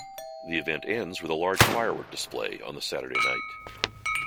The event ends with a large firework display on the Saturday night.